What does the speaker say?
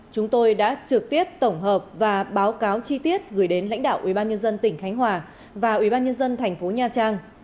chúng tôi đã trực tiếp tổng hợp và báo cáo chi tiết gửi đến lãnh đạo ubnd tỉnh khánh hòa và ubnd tp nha trang